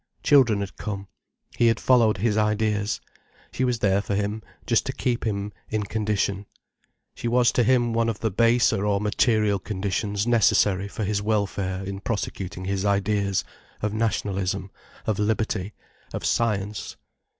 Children had come, he had followed his ideas. She was there for him, just to keep him in condition. She was to him one of the baser or material conditions necessary for his welfare in prosecuting his ideas, of nationalism, of liberty, of science.